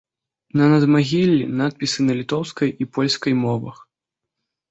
На надмагіллі надпісы на літоўскай і польскай мовах.